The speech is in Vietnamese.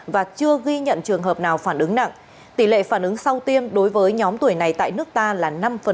và chưa ghi nhận trường hợp nào phản ứng nặng tỷ lệ phản ứng sau tiêm đối với nhóm tuổi này tại nước ta là năm